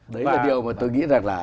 đấy là điều mà tôi nghĩ rằng là